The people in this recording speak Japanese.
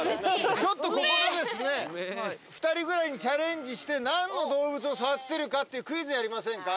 ちょっとここでですね２人ぐらいチャレンジして何の動物を触ってるかっていうクイズやりませんか？